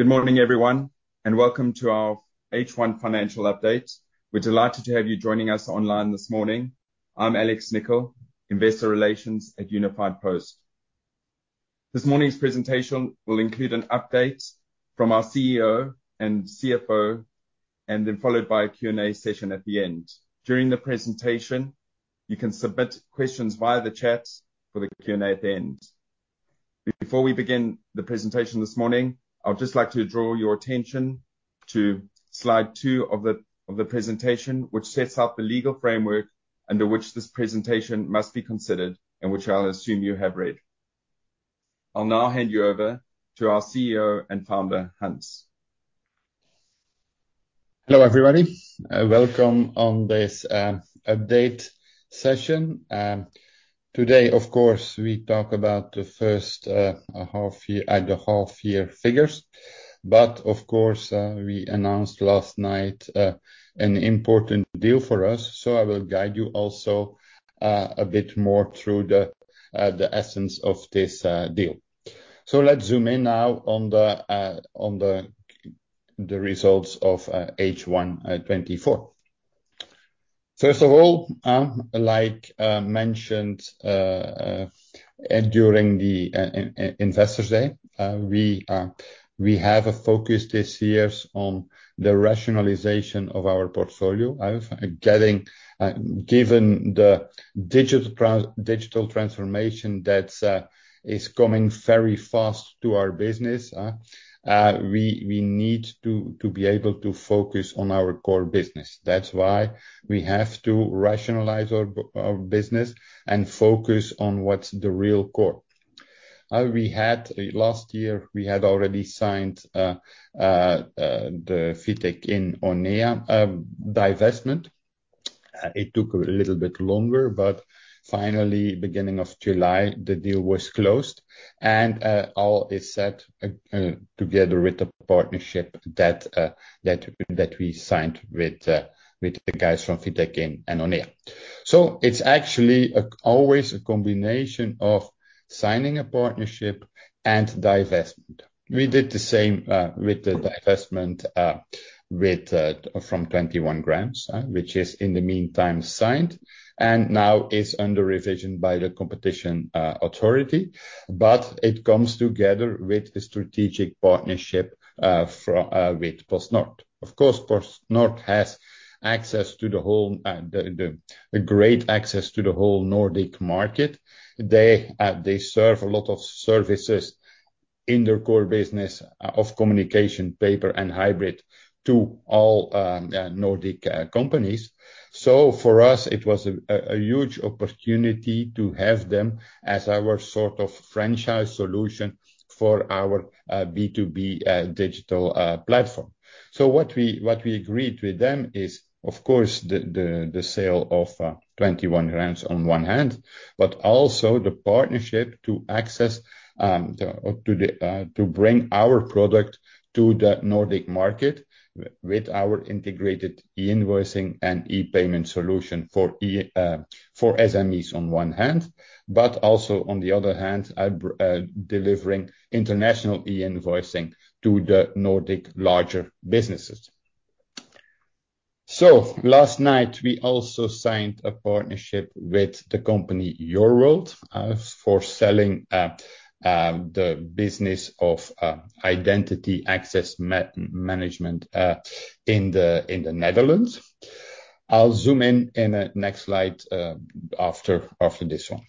Good morning, everyone, and welcome to our H1 financial update. We're delighted to have you joining us online this morning. I'm Alex Nicol, Investor Relations at Unifiedpost. This morning's presentation will include an update from our CEO and CFO, and then followed by a Q&A session at the end. During the presentation, you can submit questions via the chat for the Q&A at the end. Before we begin the presentation this morning, I would just like to draw your attention to slide two of the presentation, which sets out the legal framework under which this presentation must be considered, and which I'll assume you have read. I'll now hand you over to our CEO and founder, Hans. Hello, everybody, welcome to this update session. Today, of course, we talk about the first half year, the half year figures, but of course, we announced last night an important deal for us, so I will guide you also a bit more through the essence of this deal. Let's zoom in now on the results of H1 2024. First of all, like mentioned during the Investors Day, we have a focus this year on the rationalization of our portfolio. Given the digital transformation that is coming very fast to our business, we need to be able to focus on our core business. That's why we have to rationalize our business and focus on what's the real core. Last year, we had already signed the Fitek and ONEA divestment. It took a little bit longer, but finally, beginning of July, the deal was closed, and all is set together with the partnership that we signed with the guys from Fitek and ONEA. So it's actually always a combination of signing a partnership and divestment. We did the same with the 21grams, which is in the meantime signed, and now is under revision by the competition authority. But it comes together with a strategic partnership with PostNord. Of course, PostNord has great access to the whole Nordic market. They serve a lot of services in their core business of communication, paper, and hybrid to all Nordic companies. So for us, it was a huge opportunity to have them as our sort of franchise solution for our B2B digital platform. So what we agreed with them is, of course, the 21grams on one hand, but also the partnership to access to bring our product to the Nordic market with our integrated e-invoicing and e-payment solution for SMEs on one hand, but also, on the other hand, delivering international e-invoicing to the Nordic larger businesses. So last night, we also signed a partnership with the company, Your.World, for selling the business of identity access management in the in the Netherlands. I'll zoom in in the next slide after after this one.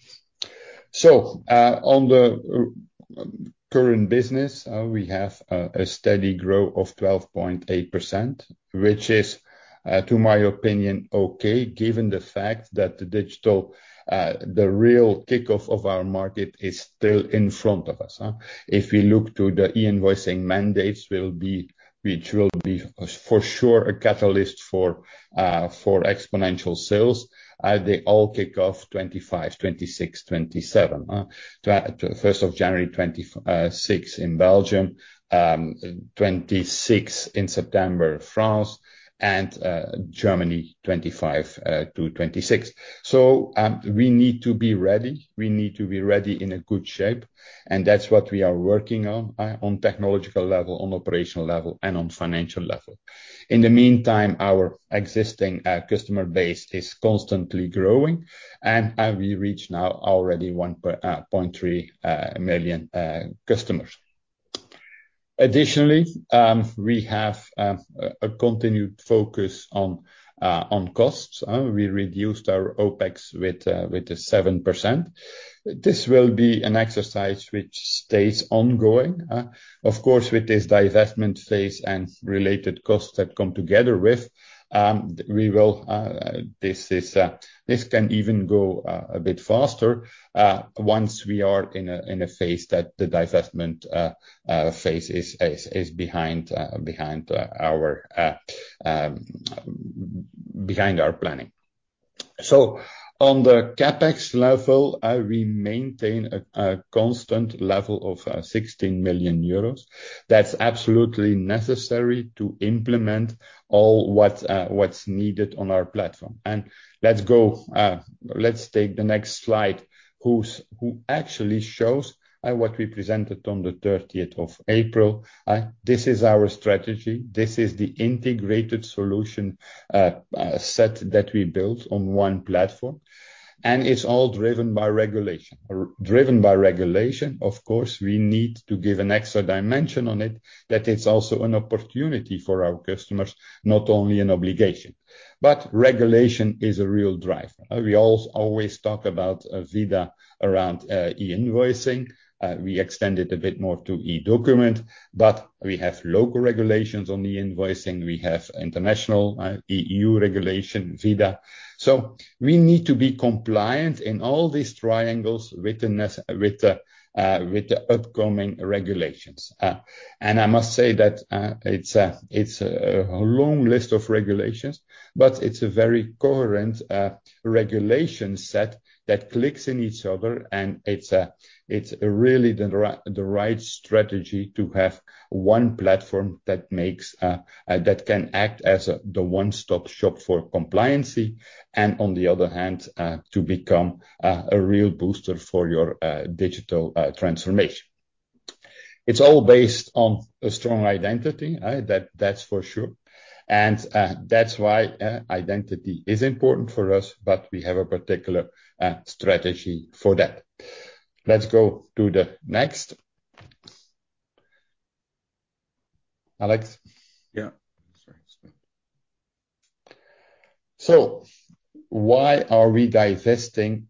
So, on the current business, we have a steady growth of 12.8%, which is to my opinion okay, given the fact that the digital the real kickoff of our market is still in front of us. If we look to the e-invoicing mandates which will be for sure a catalyst for exponential sales, they all kick off 2025, 2026, 2027, 1st January 2026 in Belgium, 26th in September France, and Germany 2025 to 2026. So we need to be ready. We need to be ready in a good shape, and that's what we are working on, on technological level, on operational level, and on financial level. In the meantime, our existing customer base is constantly growing, and we reach now already 1.3 million customers. Additionally, we have a continued focus on costs. We reduced our OPEX with 7%. This will be an exercise which stays ongoing. Of course, with this divestment phase and related costs that come together with, this can even go a bit faster, once we are in a phase that the divestment phase is behind our planning. So on the CAPEX level, we maintain a constant level of 16 million euros. That's absolutely necessary to implement all what what's needed on our platform. And let's go, let's take the next slide, who actually shows what we presented on the of April. This is our strategy. This is the integrated solution set that we built on one platform, and it's all driven by regulation. Driven by regulation, of course, we need to give an extra dimension on it, that it's also an opportunity for our customers, not only an obligation. But regulation is a real driver. We always talk about ViDA around e-invoicing. We extend it a bit more to e-document, but we have local regulations on the invoicing. We have international EU regulation, ViDA. So we need to be compliant in all these triangles with the upcoming regulations. I must say that it's a long list of regulations, but it's a very coherent regulation set that clicks in each other, and it's really the right strategy to have one platform that can act as the one-stop shop for compliancy, and on the other hand to become a real booster for your digital transformation. It's all based on a strong identity that's for sure, and that's why identity is important for us, but we have a particular strategy for that. Let's go to the next. Alex? Yeah. Sorry. So why are we divesting...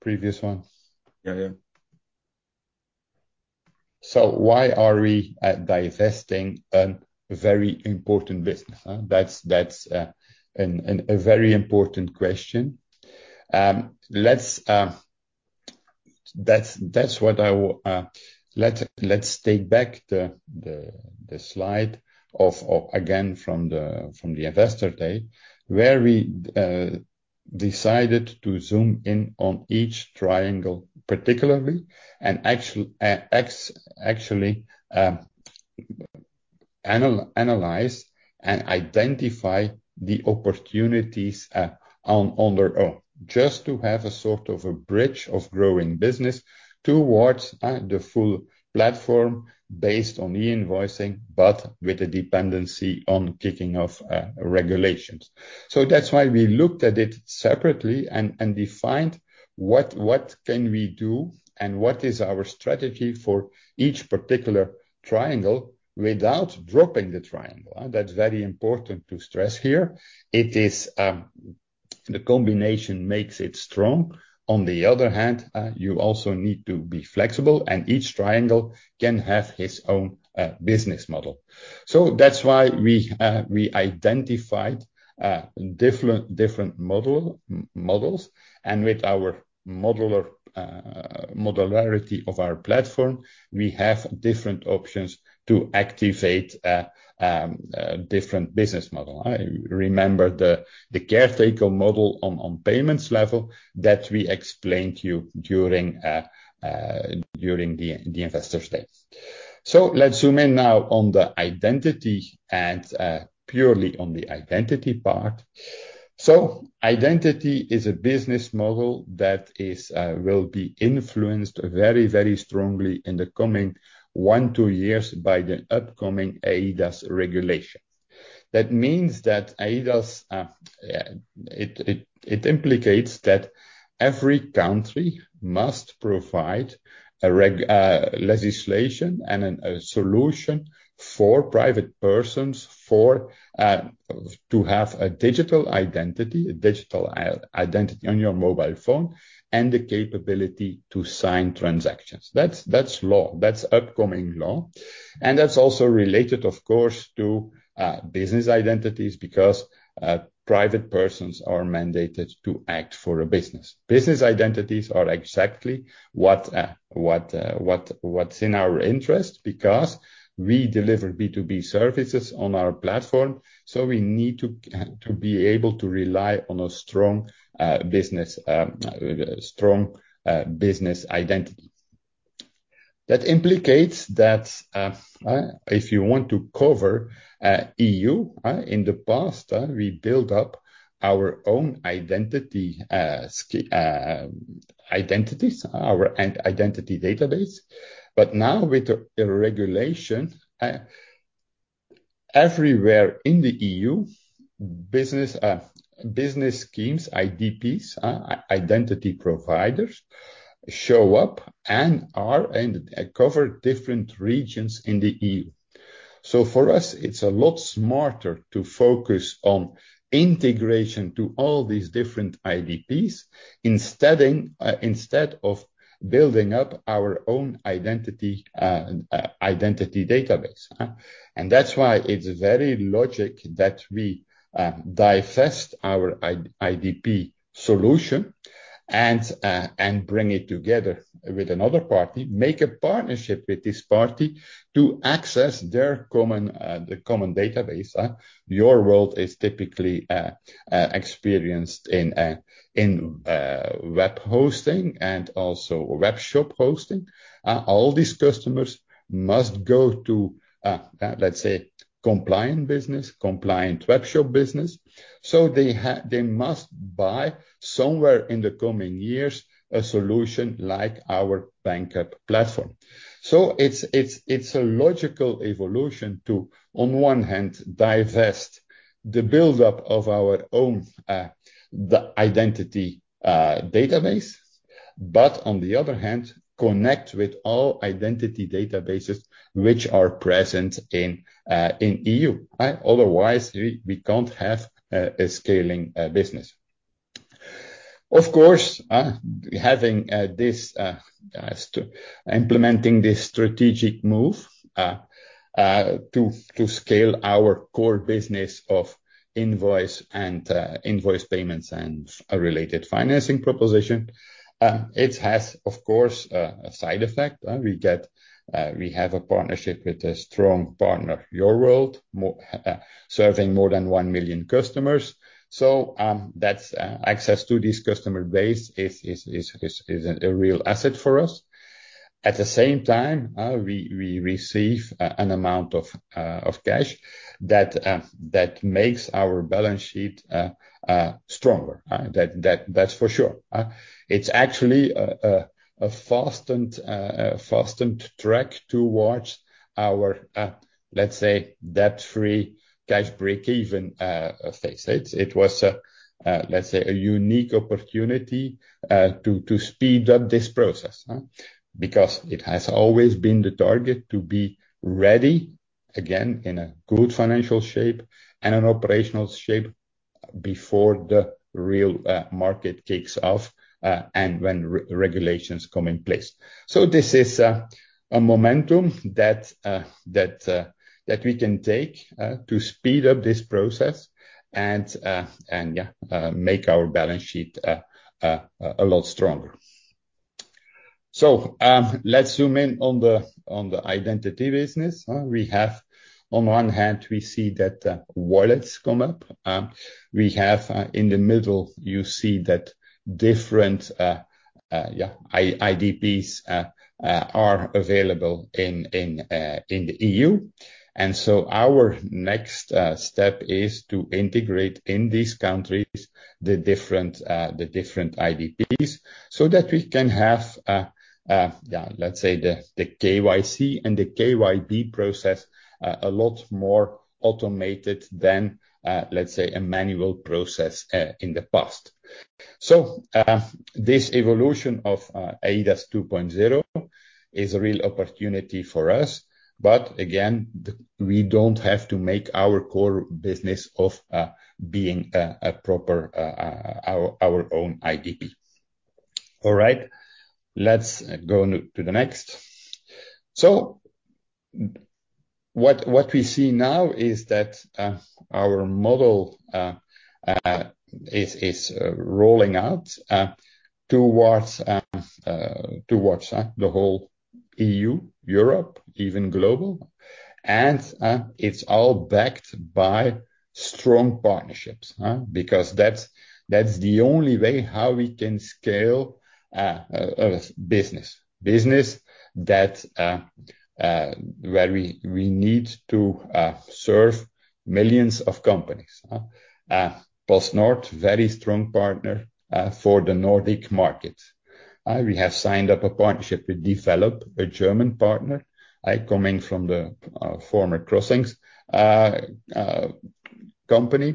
previous one. Yeah, yeah. So why are we divesting a very important business, huh? That's a very important question. Let's take back the slide of again from the Investor Day, where we decided to zoom in on each triangle, particularly, and actually analyze and identify the opportunities on their own, just to have a sort of a bridge of growing business towards the full platform based on the invoicing, but with a dependency on kicking off regulations. So that's why we looked at it separately and defined what can we do and what is our strategy for each particular triangle without dropping the triangle? That's very important to stress here. It is the combination makes it strong. On the other hand, you also need to be flexible, and each triangle can have its own business model. So that's why we identified different models. And with our modular modularity of our platform, we have different options to activate a different business model. I remember the caretaker model on payments level that we explained to you during the investor stage. So let's zoom in now on the identity and purely on the identity part. So identity is a business model that will be influenced very, very strongly in the coming one, two years by the upcoming eIDAS regulation. That means that eIDAS implicates that every country must provide regulatory legislation and a solution for private persons to have a digital identity on your mobile phone, and the capability to sign transactions. That's law. That's upcoming law. And that's also related, of course, to business identities, because private persons are mandated to act for a business. Business identities are exactly what's in our interest, because we deliver B2B services on our platform, so we need to be able to rely on a strong business identity. That implicates that if you want to cover EU, in the past, we built up our own identity scheme, our identity database. But now, with the regulation everywhere in the EU, business schemes, IdPs, identity providers show up and cover different regions in the EU. So for us, it is a lot smarter to focus on integration to all these different IdPs, instead of building up our own identity database? And that is why it is very logical that we divest our IdP solution and bring it together with another party, make a partnership with this party to access the common database? Your.World is typically experienced in web hosting and also web shop hosting. All these customers must go to, let's say, compliant business, compliant web shop business. So they must buy somewhere in the coming years a solution like our Banqup platform. So it's a logical evolution to, on one hand, divest the build-up of our own identity database, but on the other hand, connect with all identity databases which are present in EU, otherwise we can't have a scaling business. Of course, implementing this strategic move to scale our core business of invoicing and invoice payments and a related financing proposition, it has, of course, a side effect. We have a partnership with a strong partner, Your.World, serving more than one million customers. So, that's access to this customer base is a real asset for us. At the same time, we receive an amount of cash that makes our balance sheet stronger, that's for sure. It's actually a fast track towards our, let's say, debt-free cash break-even phase. It was, let's say, a unique opportunity to speed up this process, huh? Because it has always been the target to be ready again in a good financial shape and an operational shape before the real market kicks off, and when regulations come in place. So this is a momentum that we can take to speed up this process, and, yeah, make our balance sheet a lot stronger. So, let's zoom in on the identity business. On one hand, we see that wallets come up. In the middle, you see that different IdPs are available in the EU. And so our next step is to integrate in these countries the different IdPs, so that we can have, yeah, let's say the KYC and the KYB process a lot more automated than, let's say, a manual process in the past. So, this evolution of eIDAS 2.0 is a real opportunity for us. But again, we don't have to make our core business of being a proper our own IdP. All right, let's go to the next. What we see now is that our model is rolling out towards the whole EU, Europe, even global. It's all backed by strong partnerships because that's the only way how we can scale a business that where we need to serve millions of companies. PostNord, very strong partner for the Nordic market. We have signed up a partnership with d.velop, a German partner, coming from the former Crossinx company,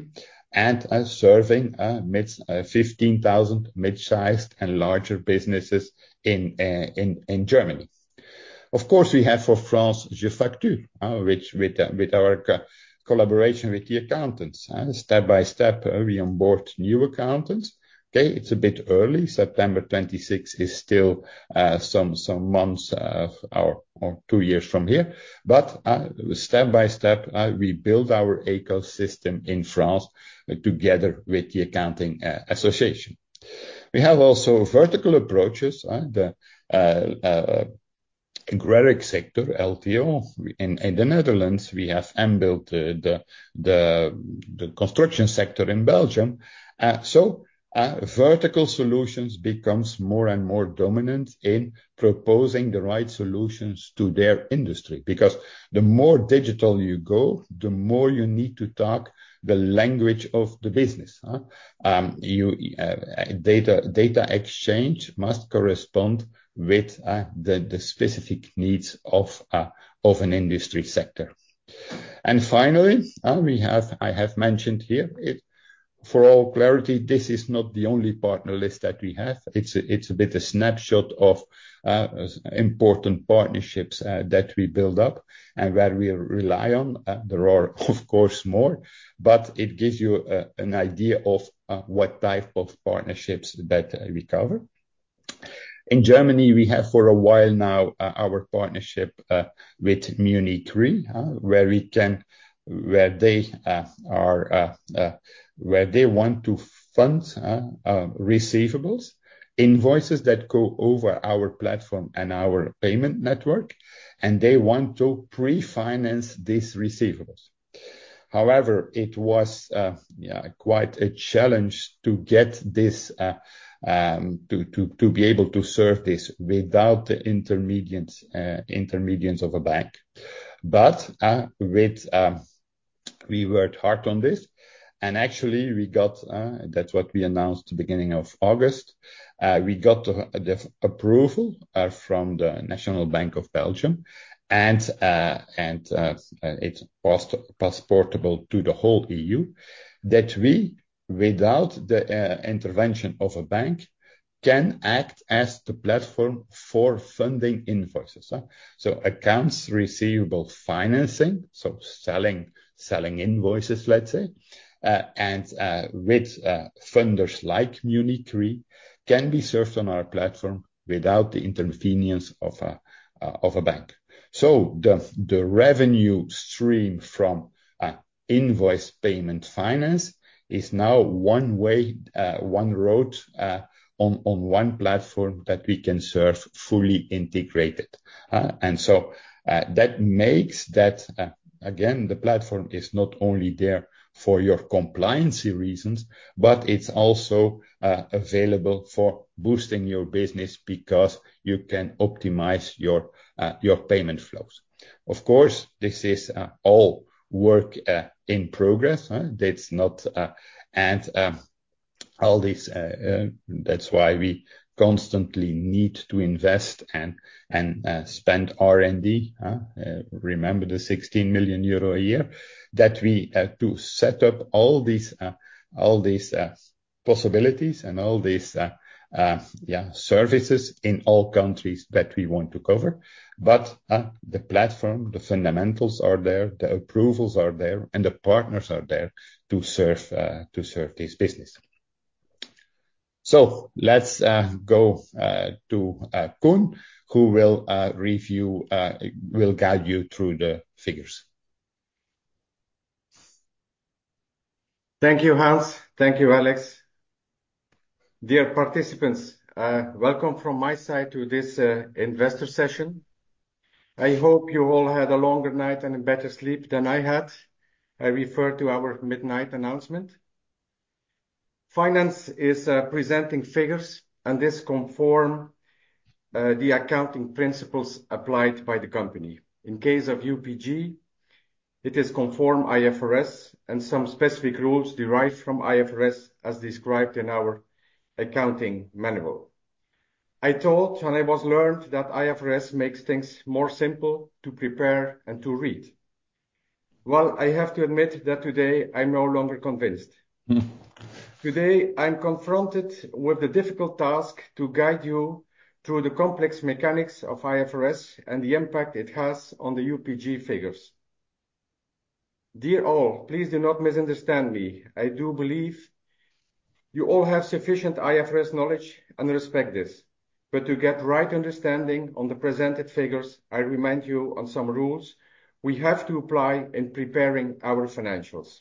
and serving 15,000 mid-sized and larger businesses in Germany. Of course, we have for France, jeFacture, which with our collaboration with the accountants. Step by step, we onboard new accountants. Okay, it's a bit early. September 2026 is still some months or two years from here, but step by step we build our ecosystem in France together with the accounting association. We have also vertical approaches, the agrarian sector, LTO. In the Netherlands, we have Embuild the construction sector in Belgium, so vertical solutions becomes more and more dominant in proposing the right solutions to their industry. Because the more digital you go, the more you need to talk the language of the business. Your data exchange must correspond with the specific needs of an industry sector. And finally, I have mentioned here, for all clarity, this is not the only partner list that we have. It's a bit of a snapshot of important partnerships that we build up and where we rely on. There are, of course, more, but it gives you an idea of what type of partnerships that we cover. In Germany, we have for a while now our partnership with Munich Re, where they want to fund receivables, invoices that go over our platform and our payment network, and they want to pre-finance these receivables. However, it was quite a challenge to get this to be able to serve this without the intermediates of a bank. But we worked hard on this, and actually we got that's what we announced the beginning of August. We got the approval from the National Bank of Belgium, and it's passportable to the whole EU, that we, without the intervention of a bank, can act as the platform for funding invoices? So accounts receivable financing, so selling invoices, let's say. And with funders like Munich Re, can be served on our platform without the intervention of a bank. So the revenue stream from invoice payment finance is now one way, one road, on one platform that we can serve fully integrated. And so that makes that again, the platform is not only there for your compliancy reasons, but it's also available for boosting your business because you can optimize your payment flows. Of course, this is all work in progress. That's not... And all these, that's why we constantly need to invest and spend R&D. Remember the 16 million euro a year that we have to set up all these possibilities and all these services in all countries that we want to cover. But the platform, the fundamentals are there, the approvals are there, and the partners are there to serve this business. So let's go to Koen, who will guide you through the figures. Thank you, Hans. Thank you, Alex. Dear participants, welcome from my side to this investor session. I hope you all had a longer night and a better sleep than I had. I refer to our midnight announcement. Finance is presenting figures, and this conform the accounting principles applied by the company. In case of UPG, it is conform IFRS and some specific rules derived from IFRS, as described in our accounting manual. I thought, and I was learned, that IFRS makes things more simple to prepare and to read. Well, I have to admit that today, I'm no longer convinced. Today, I'm confronted with the difficult task to guide you through the complex mechanics of IFRS and the impact it has on the UPG figures. Dear all, please do not misunderstand me. I do believe you all have sufficient IFRS knowledge and respect this. But to get right understanding on the presented figures, I remind you on some rules we have to apply in preparing our financials.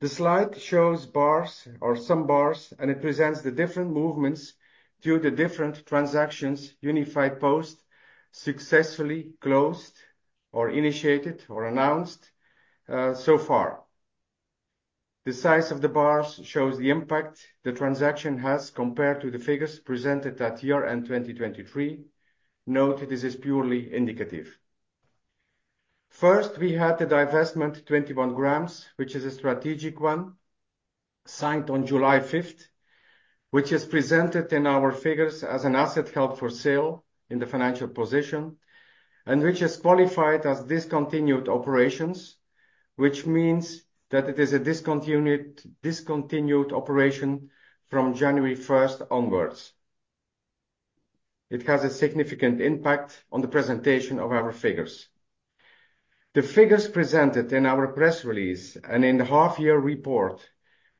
The slide shows bars or some bars, and it presents the different movements to the different transactions, Unifiedpost successfully closed or initiated or announced, so far. The size of the bars shows the impact the transaction has compared to the figures presented at year-end 2023. Note, this is purely indicative. First, we had 21grams, which is a strategic one, signed on July 5th, which is presented in our figures as an asset held for sale in the financial position, and which is qualified as discontinued operations. Which means that it is a discontinued operation from January 1st onwards. It has a significant impact on the presentation of our figures. The figures presented in our press release and in the half year report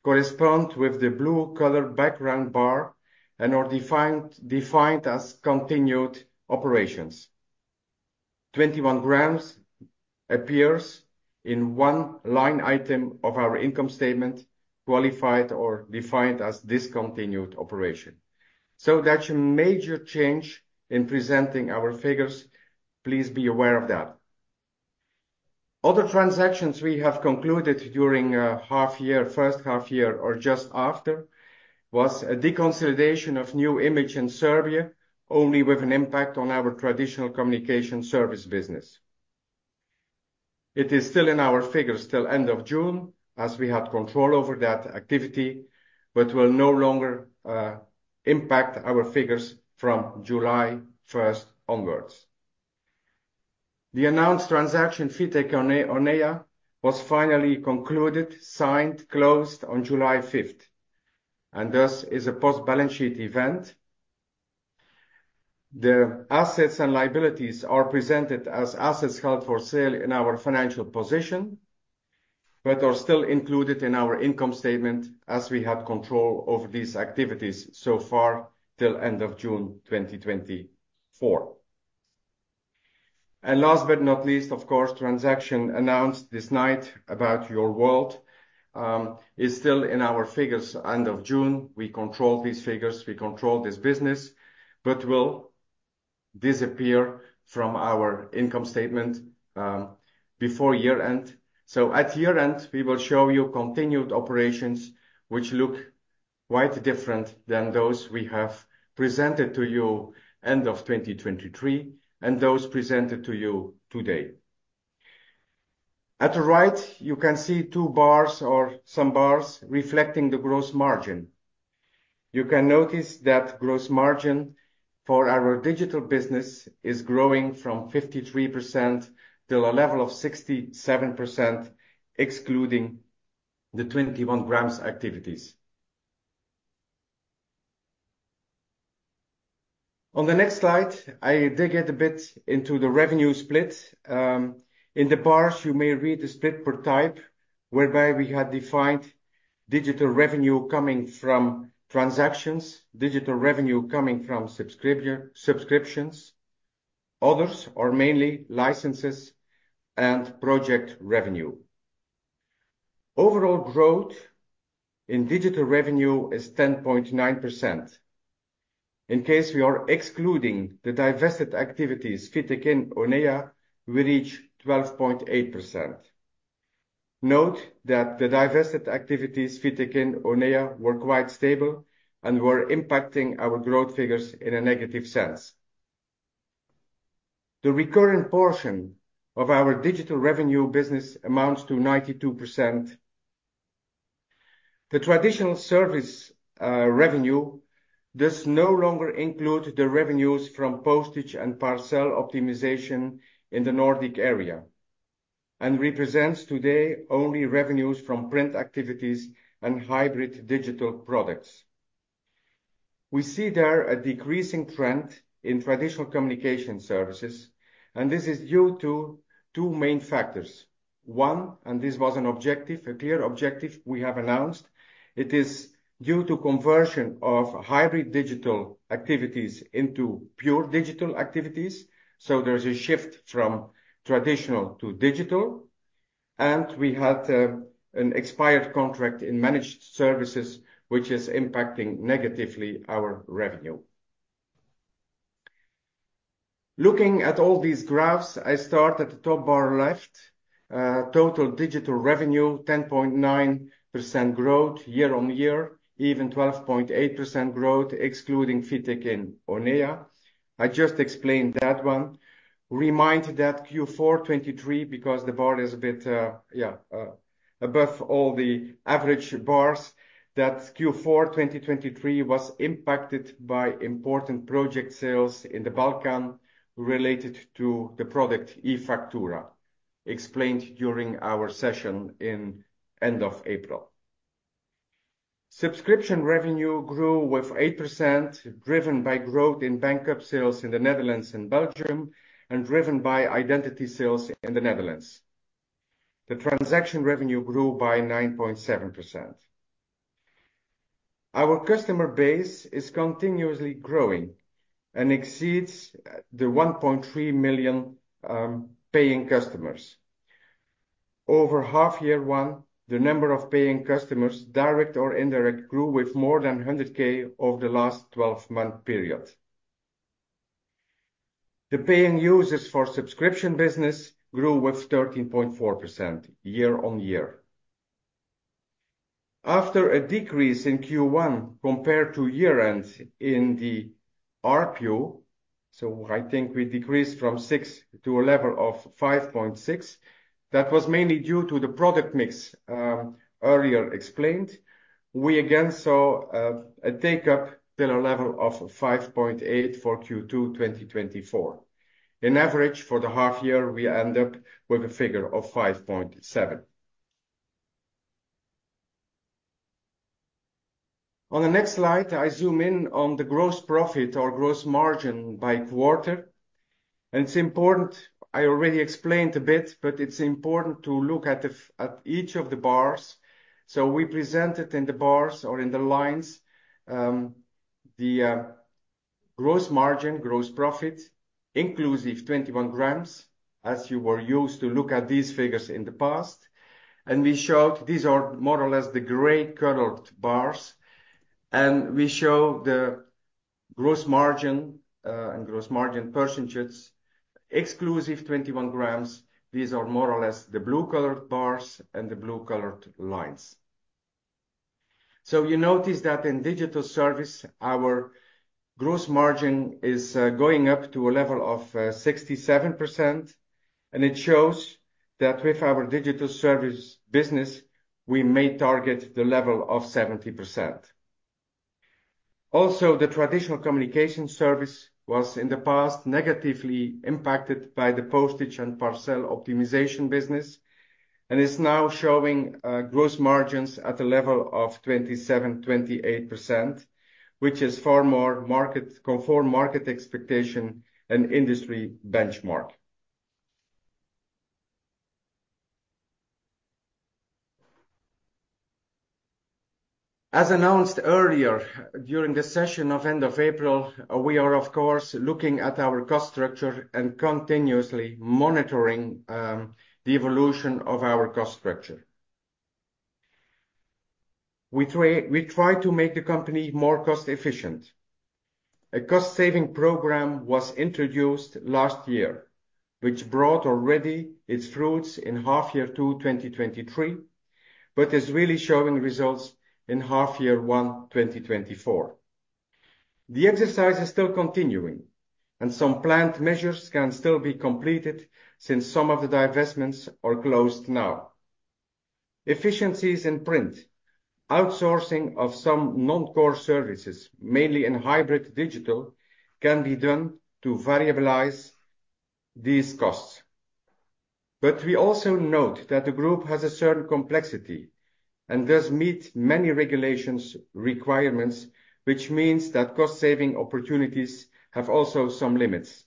correspond with the blue color background bar and are defined as 21grams appears in one line item of our income statement, qualified or defined as discontinued operation. So that's a major change in presenting our figures. Please be aware of that. Other transactions we have concluded during half year, first half year or just after was a deconsolidation of New Image in Serbia, only with an impact on our traditional communication service business. It is still in our figures till end of June, as we had control over that activity, but will no longer impact our figures from July 1st onwards. The announced transaction, Fitek ONEA, was finally concluded, signed, closed on July 5th, and thus is a post-balance sheet event. The assets and liabilities are presented as assets held for sale in our financial position, but are still included in our income statement as we have control over these activities so far, till end of June 2024. Last but not least, of course, transaction announced this night about Your.World is still in our figures end of June. We control these figures, we control this business, but will disappear from our income statement before year-end. At year-end, we will show you continued operations, which look quite different than those we have presented to you end of 2023, and those presented to you today. At the right, you can see two bars or some bars reflecting the gross margin. You can notice that gross margin for our digital business is growing from 53% to a level of 67%, excluding 21grams activities. On the next slide, I dig it a bit into the revenue split. In the bars, you may read the split per type, whereby we had defined digital revenue coming from transactions, digital revenue coming from subscriptions, others, or mainly licenses and project revenue. Overall growth in digital revenue is 10.9%. In case we are excluding the divested activities, Fitek and ONEA, we reach 12.8%. Note that the divested activities, Fitek and ONEA, were quite stable and were impacting our growth figures in a negative sense. The recurrent portion of our digital revenue business amounts to 92%. The traditional service revenue does no longer include the revenues from postage and parcel optimization in the Nordic area, and represents today only revenues from print activities and hybrid digital products. We see there a decreasing trend in traditional communication services, and this is due to two main factors. One, and this was an objective, a clear objective we have announced, it is due to conversion of hybrid digital activities into pure digital activities, so there is a shift from traditional to digital, and we had an expired contract in managed services, which is impacting negatively our revenue. Looking at all these graphs, I start at the top bar left. Total digital revenue, 10.9% growth year-on-year, even 12.8% growth, excluding Fitek and ONEA. I just explained that one. Remind that Q4 2023, because the bar is a bit above all the average bars, that Q4 2023 was impacted by important project sales in the Balkans related to the product e-Factura, explained during our session in end of April. Subscription revenue grew with 8%, driven by growth in Banqup sales in the Netherlands and Belgium, and driven by identity sales in the Netherlands. The transaction revenue grew by 9.7%. Our customer base is continuously growing and exceeds the 1.3 million paying customers. Over half year one, the number of paying customers, direct or indirect, grew with more than 100K over the last 12-month period. The paying users for subscription business grew with 13.4% year-on-year. After a decrease in Q1 compared to year-end in the ARPU, so I think we decreased from six to a level of five point six. That was mainly due to the product mix, earlier explained. We again saw a take up to the level of five point eight for Q2 2024. On average, for the half year, we end up with a figure of five point seven. On the next slide, I zoom in on the gross profit or gross margin by quarter, and it's important, I already explained a bit, but it's important to look at the, at each of the bars, so we presented in the bars or in the lines, the gross margin, gross 21grams, as you were used to look at these figures in the past. We showed these are more or less the gray colored bars, and we show the gross margin and gross margin 21grams. these are more or less the blue colored bars and the blue colored lines. You notice that in digital service, our gross margin is going up to a level of 67%, and it shows that with our digital service business, we may target the level of 70%. Also, the traditional communication service was in the past negatively impacted by the postage and parcel optimization business, and is now showing gross margins at a level of 27 to 28%, which is far more market-conform market expectation and industry benchmark. As announced earlier, during the session at end of April, we are, of course, looking at our cost structure and continuously monitoring the evolution of our cost structure. We try, we try to make the company more cost-efficient. A cost-saving program was introduced last year, which brought already its fruit in half year two, 2023, but is really showing results in half year one, 2024. The exercise is still continuing, and some planned measures can still be completed since some of the divestments are closed now. Efficiencies in print, outsourcing of some non-core services, mainly in hybrid digital, can be done to variabilize these costs. But we also note that the group has a certain complexity and does meet many regulatory requirements, which means that cost-saving opportunities have also some limits.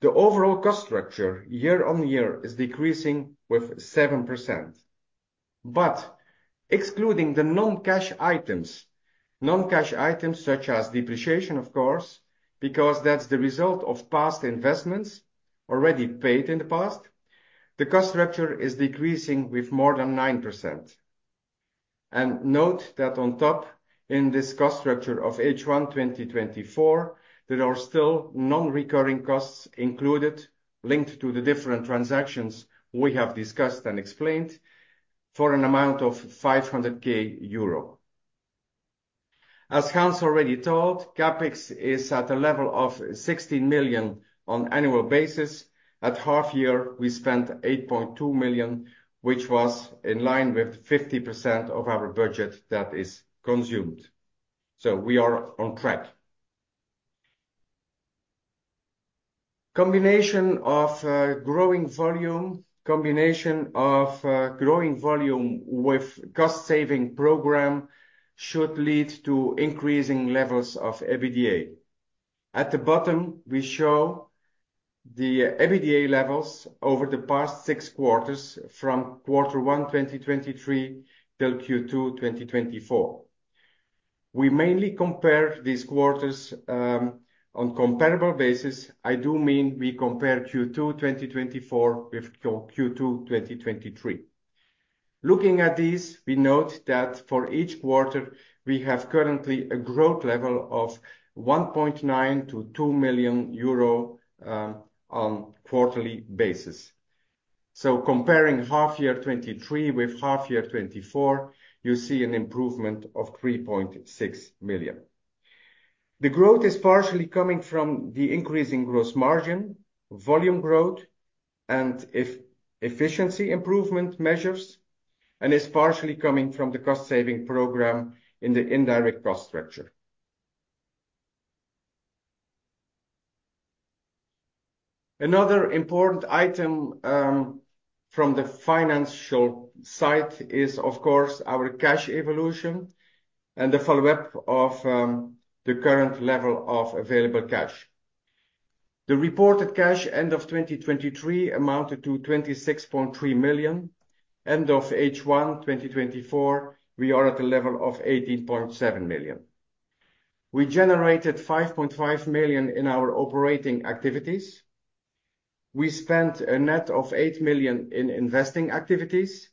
The overall cost structure year-on-year is decreasing with 7%, but excluding the non-cash items such as depreciation, of course, because that's the result of past investments already paid in the past, the cost structure is decreasing with more than 9%. Note that on top, in this cost structure of H1 2024, there are still non-recurring costs included, linked to the different transactions we have discussed and explained for an amount of 500,000 euro. As Hans already told, CAPEX is at a level of 16 million on annual basis. At half year, we spent 8.2 million, which was in line with 50% of our budget that is consumed, so we are on track. Combination of growing volume with cost saving program should lead to increasing levels of EBITDA. At the bottom, we show the EBITDA levels over the past six quarters from quarter one 2023 till Q2 2024. We mainly compare these quarters on comparable basis. I do mean we compare Q2 2024 with Q2 2023. Looking at this, we note that for each quarter, we have currently a growth level of 1.9 to 2 million on quarterly basis. So comparing half year 2023 with half year 2024, you see an improvement of 3.6 million . The growth is partially coming from the increasing gross margin, volume growth, and efficiency improvement measures, and is partially coming from the cost-saving program in the indirect cost structure. Another important item from the financial side is, of course, our cash evolution and the follow-up of the current level of available cash. The reported cash end of 2023 amounted to 26.3 million. End of H1 2024, we are at a level of 18.7 million. We generated 5.5 million in our operating activities. We spent a net of 8 million in investing activities.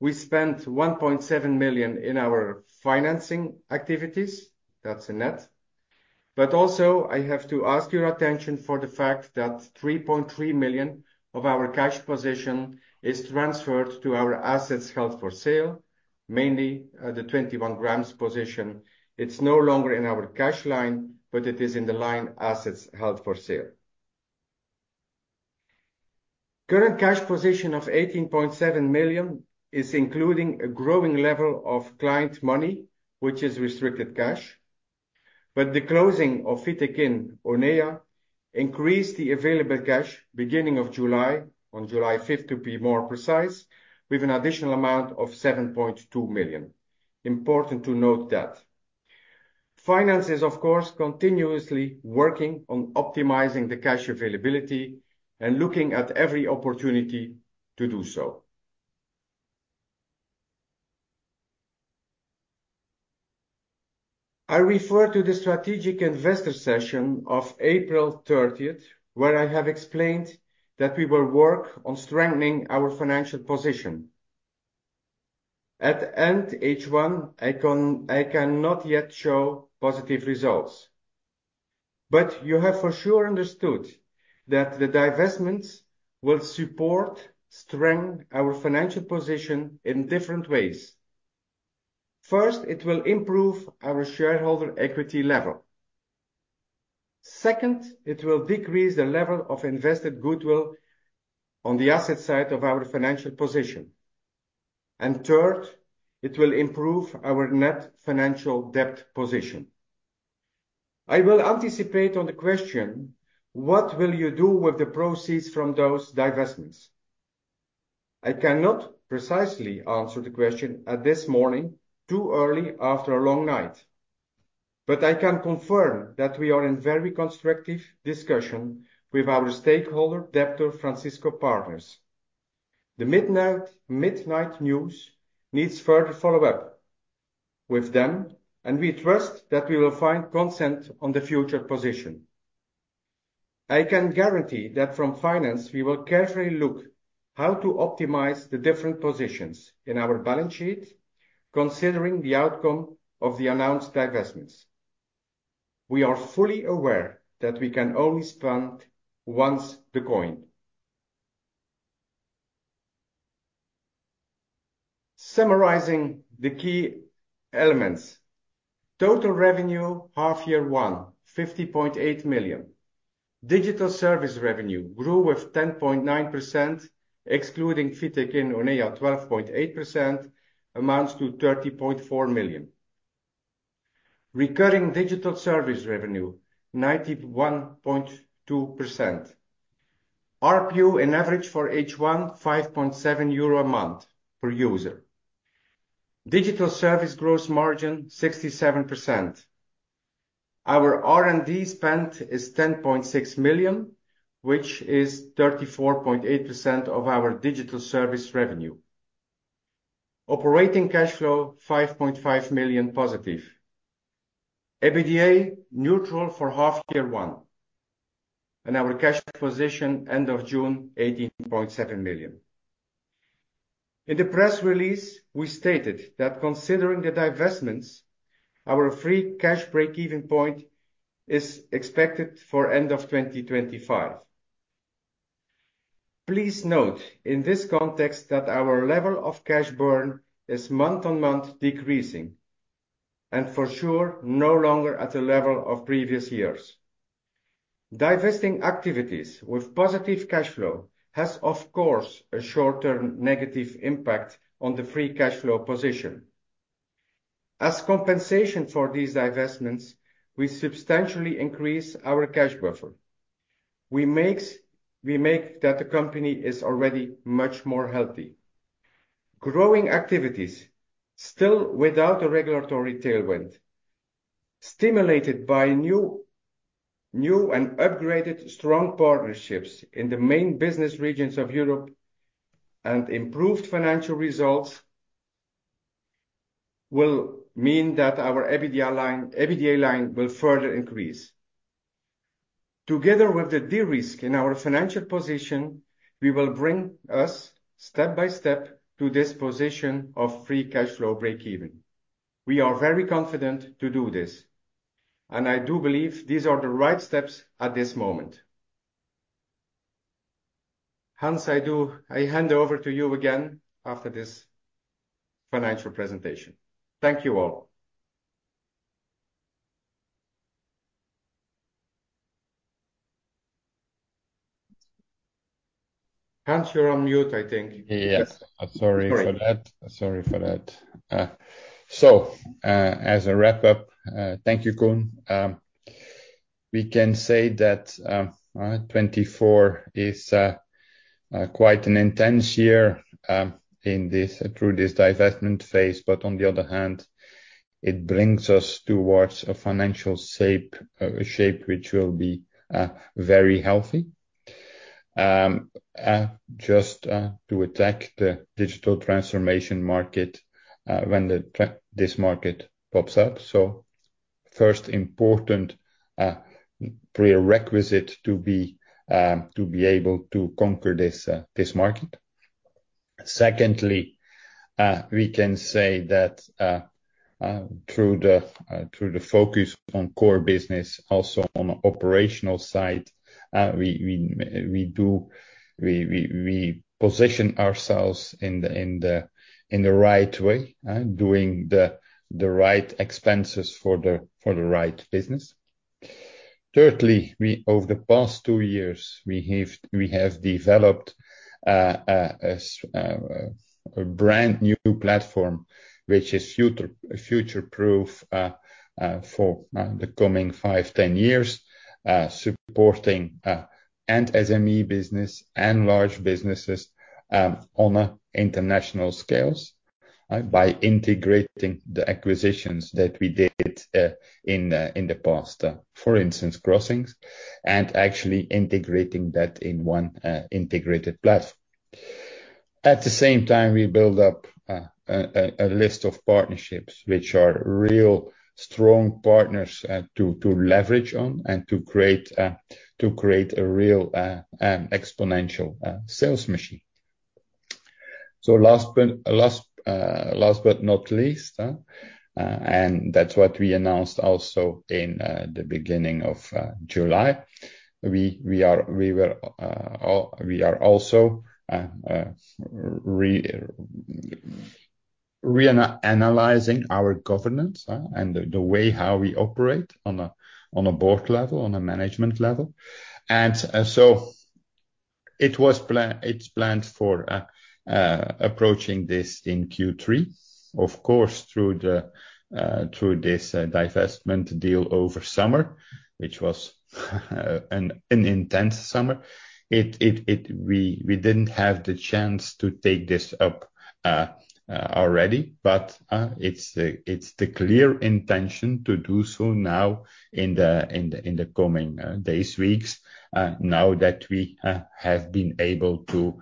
We spent 1.7 million in our financing activities. That's a net. But also, I have to ask your attention for the fact that 3.3 million of our cash position is transferred to our assets held for 21grams position. it's no longer in our cash line, but it is in the line assets held for sale. Current cash position of 18.7 million is including a growing level of client money, which is restricted cash, but the closing of Fitek and ONEA increased the available cash beginning of July, on July 5th, to be more precise, with an additional amount of 7.2 million. Important to note that. Finance is, of course, continuously working on optimizing the cash availability and looking at every opportunity to do so. I refer to the strategic investor session of April 30th, where I have explained that we will work on strengthening our financial position. At the end, H1, I can, I cannot yet show positive results, but you have for sure understood that the divestments will support, strengthen our financial position in different ways. First, it will improve our shareholder equity level. Second, it will decrease the level of invested goodwill on the asset side of our financial position. And third, it will improve our net financial debt position. I will anticipate on the question: What will you do with the proceeds from those divestments? I cannot precisely answer the question at this morning, too early after a long night... But I can confirm that we are in very constructive discussion with our stakeholder, lender, Francisco Partners. The midnight, midnight news needs further follow-up with them, and we trust that we will find consensus on the future position. I can guarantee that from finance, we will carefully look how to optimize the different positions in our balance sheet, considering the outcome of the announced divestments. We are fully aware that we can only spend once the coin. Summarizing the key elements: total revenue, half year one, 50.8 million. Digital service revenue grew with 10.9%, excluding Fitek and ONEA, 12.8%, amounts to 30.4 million. Recurring digital service revenue, 91.2%. ARPU, in average for H1, 5.7 euro a month per user. Digital service gross margin, 67%. Our R&D spend is 10.6 million, which is 34.8% of our digital service revenue. Operating cash flow, 5.5 million +. EBITDA, neutral for Half year one, and our cash position, end of June, 18.7 million. In the press release, we stated that considering the divestments, our free cash break-even point is expected for end of 2025. Please note, in this context, that our level of cash burn is month on month decreasing, and for sure, no longer at the level of previous years. Divesting activities with positive cash flow has, of course, a short-term negative impact on the free cash flow position. As compensation for these divestments, we substantially increase our cash buffer. We make that the company is already much more healthy. Growing activities, still without a regulatory tailwind, stimulated by new and upgraded strong partnerships in the main business regions of Europe and improved financial results, will mean that our EBITDA line will further increase. Together with the de-risk in our financial position, we will bring us step by step to this position of free cash flow break even. We are very confident to do this, and I do believe these are the right steps at this moment. Hans, I hand over to you again after this financial presentation. Thank you, all. Hans, you're on mute, I think. Yes, I'm sorry for that. Sorry for that. So, as a wrap up, thank you, Koen. We can say that 2024 is quite an intense year in this through this divestment phase, but on the other hand, it brings us towards a financial shape, shape, which will be very healthy. Just to attack the digital transformation market, when this market pops up. So first, important prerequisite to be to be able to conquer this this market. Secondly, we can say that through the through the focus on core business, also on the operational side, we position ourselves in the in the in the right way, doing the the right expenses for the for the right business. Thirdly, over the past two years, we have developed a brand-new platform, which is future-proof for the coming five, 10 years, supporting SME business and large businesses on an international scale, by integrating the acquisitions that we did in the past, for instance, Crossinx, and actually integrating that in one integrated platform. At the same time, we built up a list of partnerships which are real strong partners to leverage on and to create a real exponential sales machine. Last but not least, and that's what we announced also in the beginning of July. We are also re... re-analyzing our governance, and the way how we operate on a board level, on a management level. It's planned for approaching this in Q3. Of course, through this divestment deal over summer, which was an intense summer. We didn't have the chance to take this up already, but it's the clear intention to do so now in the coming days, weeks, now that we have been able to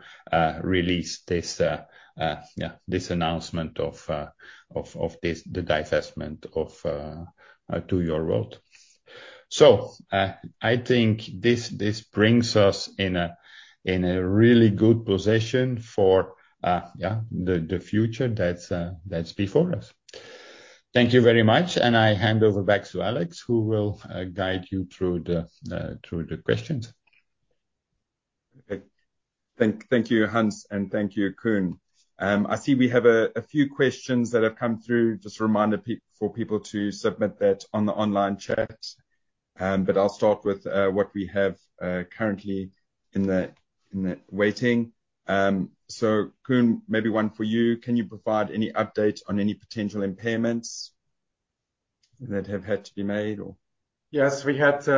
release this yeah, this announcement of this, the divestment to Your.World. So, I think this brings us in a really good position for yeah, the future that's before us. Thank you very much, and I hand over back to Alex, who will guide you through the questions. Okay. Thank you, Hans, and thank you, Koen. I see we have a few questions that have come through. Just a reminder for people to submit that on the online chat. But I'll start with what we have currently in the waiting. So Koen, maybe one for you: Can you provide any update on any potential impairments that have had to be made, or? Yes, we had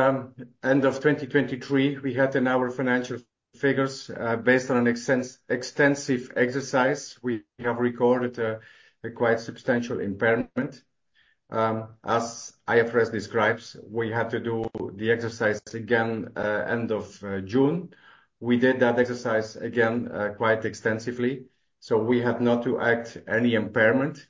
end of 2023, we had in our financial figures, based on an extensive exercise, we have recorded a quite substantial impairment. As I first describes, we had to do the exercise again, end of June. We did that exercise again, quite extensively. So we had not to act any impairment,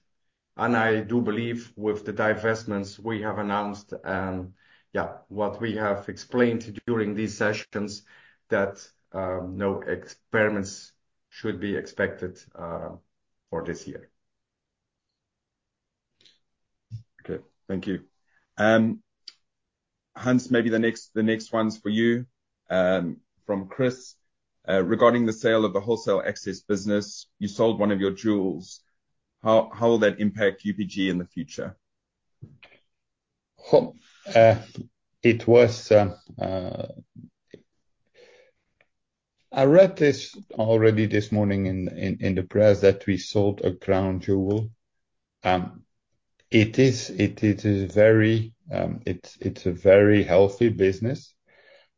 and I do believe with the divestments we have announced, what we have explained during these sessions, that no impairments should be expected for this year. Okay. Thank you. Hans, maybe the next one's for you, from Chris. Regarding the sale of the wholesale identity business, you sold one of your jewels. How will that impact UPG in the future? I read this already this morning in the press that we sold a crown jewel. It is a very healthy business,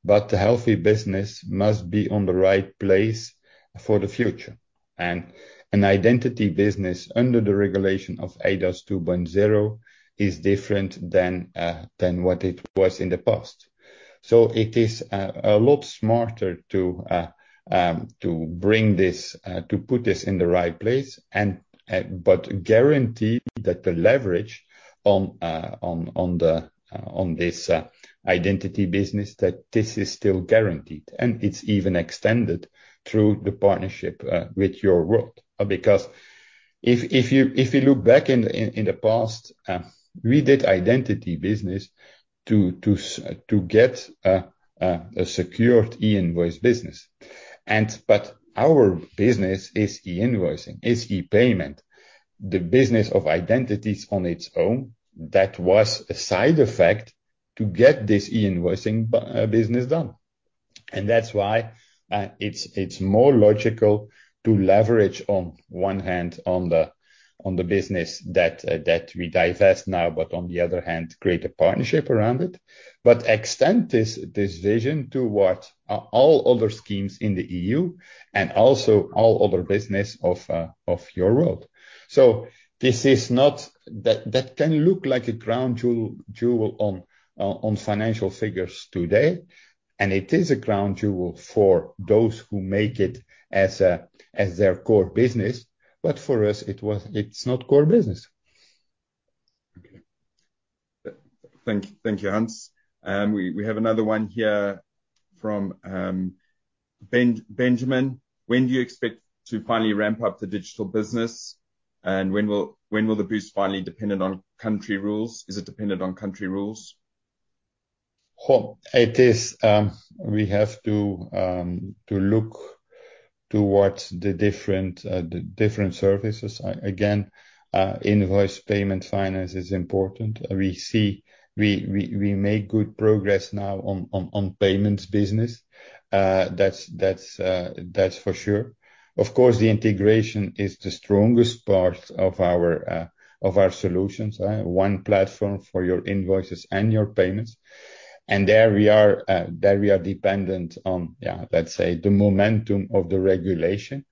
but a healthy business must be on the right place for the future. An identity business under the regulation of eIDAS 2.0 is different than what it was in the past. It is a lot smarter to put this in the right place and guarantee that the leverage on this identity business that this is still guaranteed, and it's even extended through the partnership with Your.World. Because if you look back in the past, we did identity business to get a secured e-invoicing business. But our business is e-invoicing, is e-payment. The business of identities on its own, that was a side effect to get this e-invoicing business done. And that's why it's more logical to leverage on one hand on the business that we divest now, but on the other hand, create a partnership around it. But extend this vision to what all other schemes in the EU and also all other business of Your.World. That can look like a crown jewel on financial figures today, and it is a crown jewel for those who make it as their core business, but for us, it was. It's not core business. Okay. Thank you, Hans. We have another one here from Benjamin: When do you expect to finally ramp up the digital business, and when will the boost finally dependent on country rules? Is it dependent on country rules? It is. We have to look towards the different services. Again, invoice payment finance is important. We see. We make good progress now on payments business. That's for sure. Of course, the integration is the strongest part of our solutions, one platform for your invoices and your payments. And there we are dependent on, yeah, let's say, the momentum of the regulation.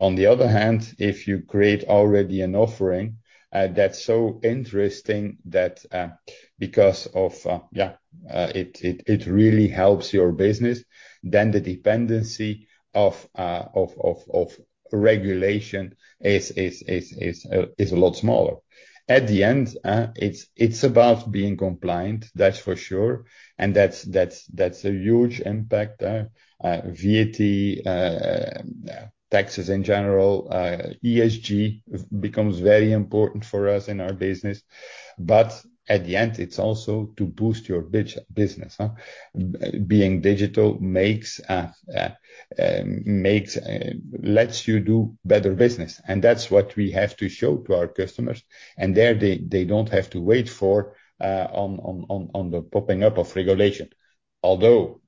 On the other hand, if you create already an offering, that's so interesting that because of it really helps your business, then the dependency of regulation is a lot smaller. At the end, it's about being compliant, that's for sure, and that's a huge impact, VAT, taxes in general. ESG becomes very important for us in our business, but at the end, it's also to boost your digital business, huh? Being digital lets you do better business, and that's what we have to show to our customers and there, they don't have to wait for the popping up of regulation. Although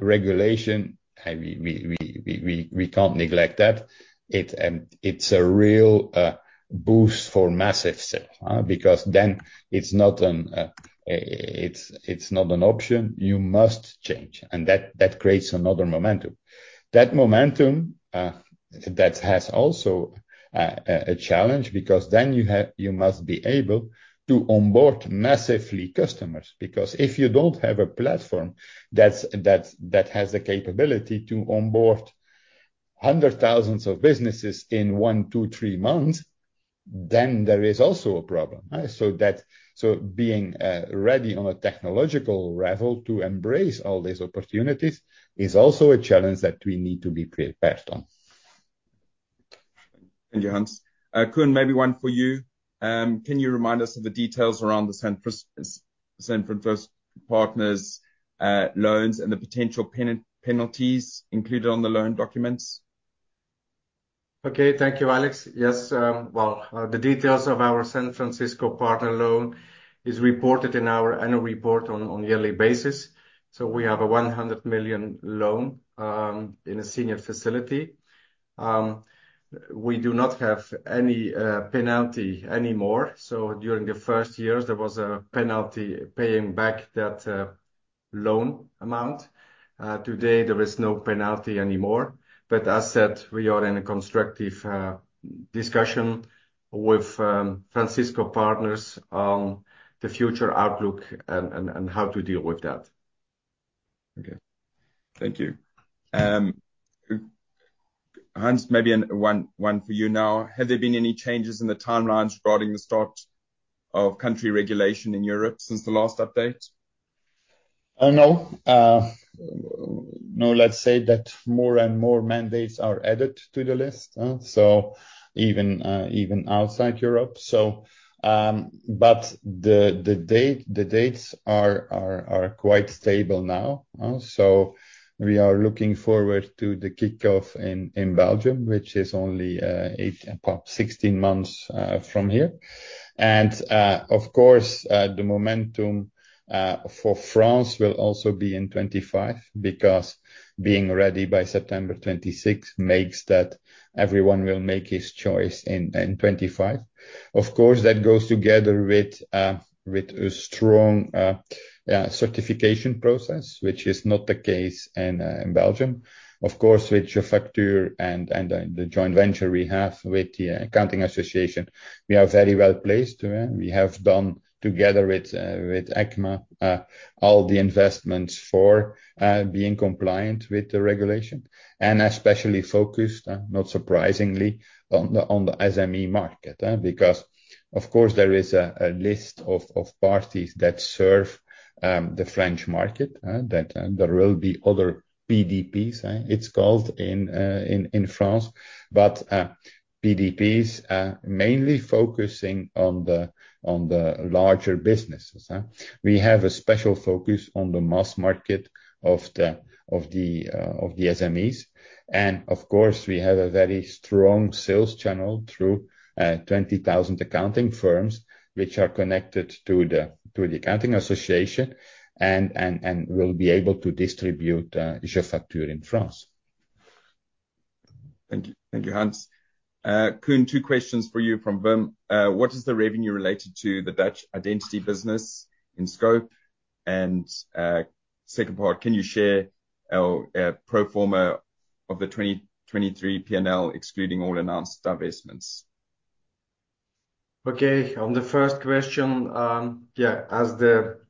regulation, we can't neglect that. It's a real boost for massive scale, because then it's not an option. You must change, and that creates another momentum. That momentum that has also a challenge, because then you must be able to onboard massively customers. Because if you don't have a platform that has the capability to onboard hundred thousands of businesses in one, two, three months, then there is also a problem, so that being ready on a technological level to embrace all these opportunities is also a challenge that we need to be prepared on. Thank you, Hans. Koen, maybe one for you. Can you remind us of the details around the Francisco Partners' loans and the potential penalties included on the loan documents? Okay. Thank you, Alex. Yes, the details of our Francisco Partners loan is reported in our annual report on a yearly basis. So we have a 100 million loan in a senior facility. We do not have any penalty anymore. So during the first years, there was a penalty paying back that loan amount. Today there is no penalty anymore. But as said, we are in a constructive discussion with Francisco Partners on the future outlook and how to deal with that. Okay. Thank you. Hans, maybe one for you now. Have there been any changes in the timelines regarding the start of country regulation in Europe since the last update? No. No, let's say that more and more mandates are added to the list, so even outside Europe. But the dates are quite stable now, so we are looking forward to the kickoff in Belgium, which is only about 16 months from here. Of course, the momentum for France will also be in 2025, because being ready by September 2026 makes that everyone will make his choice in 2025. Of course, that goes together with a strong certification process, which is not the case in Belgium. Of course, with jeFacture and the joint venture we have with the Accounting Association, we are very well placed. We have done together with, with ECMA, all the investments for, being compliant with the regulation, and especially focused, not surprisingly, on the SME market. Because, of course, there is a list of parties that serve the French market, that there will be other PDPs. It's called in France. But, PDPs are mainly focusing on the larger businesses. We have a special focus on the mass market of the SMEs, and of course, we have a very strong sales channel through 20,000 accounting firms which are connected to the accounting association and will be able to distribute jeFacture in France. Thank you. Thank you, Hans. Koen, two questions for you from Wim. What is the revenue related to the Dutch identity business in scope? And, second part, can you share our pro forma of the 2023 P&L, excluding all announced divestments? Okay. On the first question, yeah, as the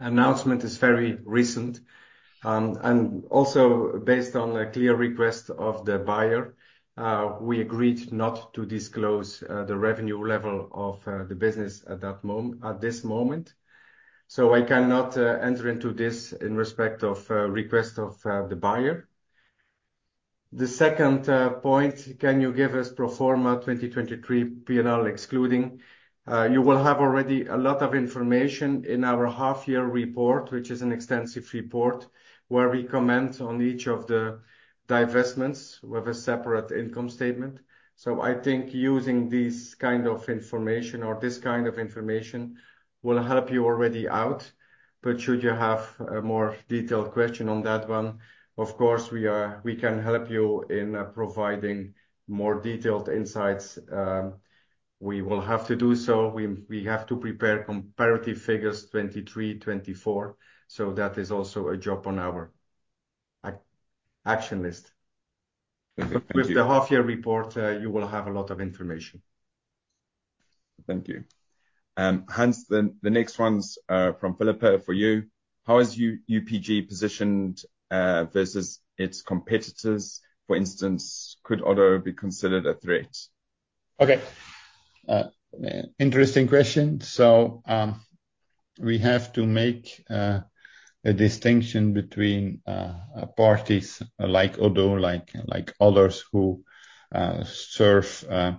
announcement is very recent, and also based on a clear request of the buyer, we agreed not to disclose the revenue level of the business at this moment. So I cannot enter into this in respect of request of the buyer. The second point: Can you give us pro forma 2023 P&L, excluding... You will have already a lot of information in our half-year report, which is an extensive report, where we comment on each of the divestments with a separate income statement. So I think using this kind of information or this kind of information will help you already out, but should you have a more detailed question on that one, of course, we can help you in providing more detailed insights. We will have to do so. We have to prepare comparative figures 2023, 2024, so that is also a job on our action list. Thank you. With the half year report, you will have a lot of information. Thank you. Hans, then the next one's from Philippa for you: How is UPG positioned versus its competitors? For instance, could Odoo be considered a threat? Okay. Interesting question. So, we have to make a distinction between parties like Odoo, like others who serve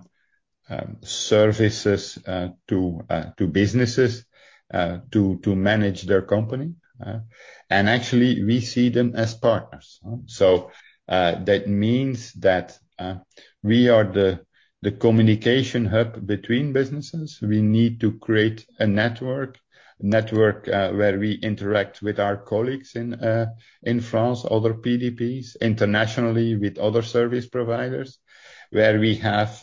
services to businesses to manage their company, and actually, we see them as partners. So, that means that we are the communication hub between businesses. We need to create a network where we interact with our colleagues in France, other PDPs, internationally with other service providers. Where we have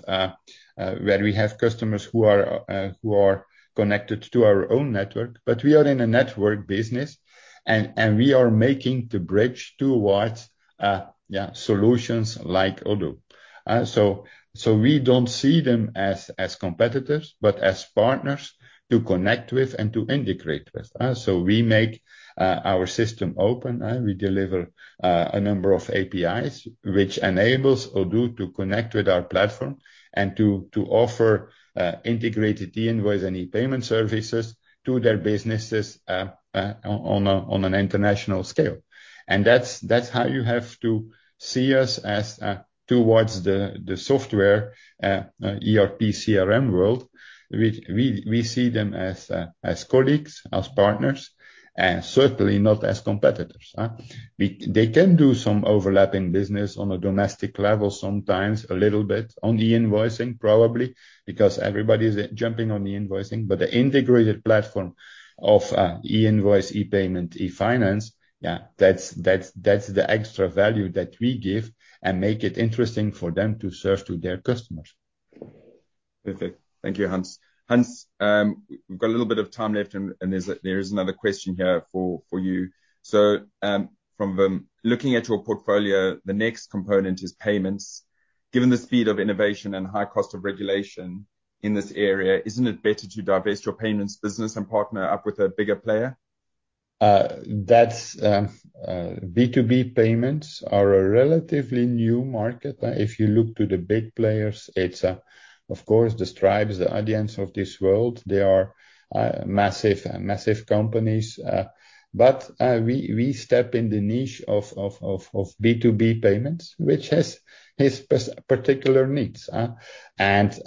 customers who are connected to our own network. But we are in a network business, and we are making the bridge towards yeah solutions like Odoo. We don't see them as competitors, but as partners to connect with and to integrate with, so we make our system open, we deliver a number of APIs which enables Odoo to connect with our platform and to offer integrated e-invoice and e-payment services to their businesses on an international scale and that's how you have to see us as towards the software ERP, CRM world. We see them as colleagues, as partners, and certainly not as competitors. They can do some overlapping business on a domestic level, sometimes a little bit on the e-invoicing, probably, because everybody's jumping on the e-invoicing. The integrated platform of e-invoice, e-payment, e-finance, yeah, that's the extra value that we give and make it interesting for them to serve to their customers. Perfect. Thank you, Hans. Hans, we've got a little bit of time left, and there's another question here for you. So, from the... Looking at your portfolio, the next component is payments. Given the speed of innovation and high cost of regulation in this area, isn't it better to divest your payments business and partner up with a bigger player? B2B payments are a relatively new market. If you look to the big players, it's of course, the Stripe, the Adyen of this world, they are massive, massive companies, but we step in the niche of B2B payments, which has its particular needs, and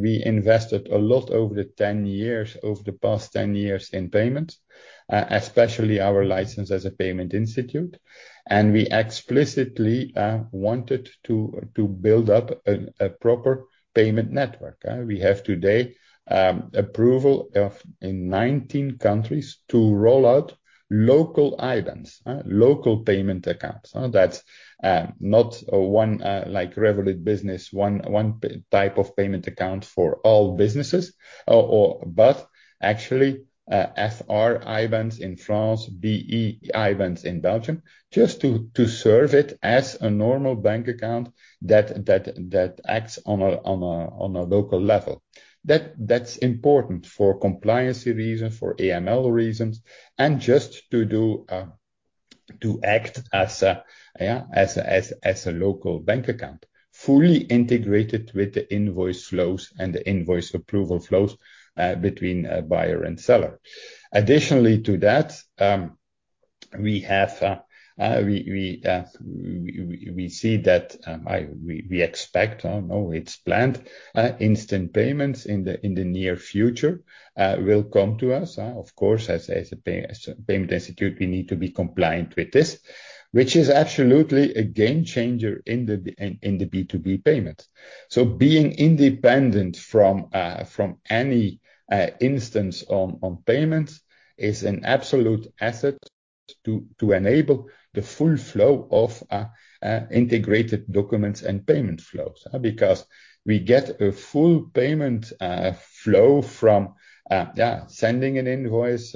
we invested a lot over the 10 years, over the past 10 years in payment, especially our license as a payment institute, and we explicitly wanted to build up a proper payment network. We have today approval in 19 countries to roll out local IBANs, local payment accounts. That's not one like Revolut business, one type of payment account for all businesses, or... But actually, FR IBANs in France, BE IBANs in Belgium, just to serve it as a normal bank account that acts on a local level. That's important for compliancy reasons, for AML reasons, and just to act as a local bank account, fully integrated with the invoice flows and the invoice approval flows between buyer and seller. Additionally to that, it's planned, instant payments in the near future will come to us, of course, as a payment institute, we need to be compliant with this, which is absolutely a game changer in the B2B payment. So being independent from any instance on payments is an absolute asset to enable the full flow of integrated documents and payment flows, because we get a full payment flow from sending an invoice,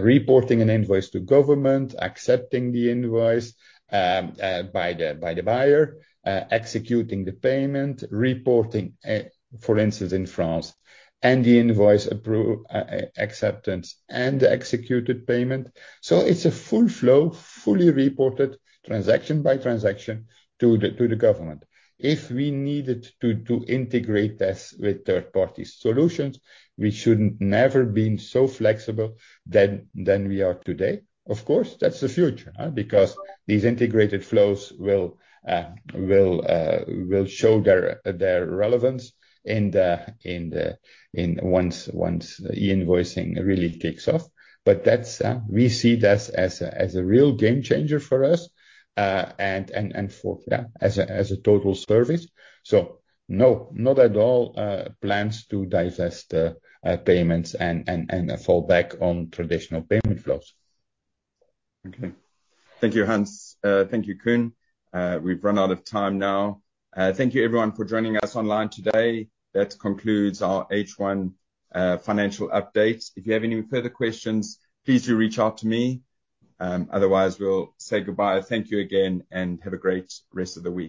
reporting an invoice to government, accepting the invoice by the buyer, executing the payment, reporting for instance in France, and the invoice acceptance and the executed payment. So it's a full flow, fully reported, transaction by transaction, to the government. If we needed to integrate this with third-party solutions, we shouldn't never been so flexible than we are today. Of course, that's the future, because these integrated flows will show their relevance in the... Once e-invoicing really kicks off. But that's, we see this as a real game changer for us, and for, yeah, as a total service. So no, not at all, plans to divest payments and fall back on traditional payment flows. Okay. Thank you, Hans. Thank you, Koen. We've run out of time now. Thank you, everyone, for joining us online today. That concludes our H1 financial update. If you have any further questions, please do reach out to me, otherwise, we'll say goodbye. Thank you again, and have a great rest of the week.